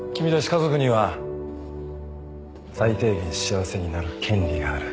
家族には最低限幸せになる権利がある。